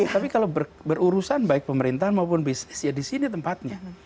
tapi kalau berurusan baik pemerintahan maupun bisnis ya di sini tempatnya